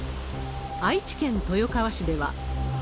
愛知県豊川市では。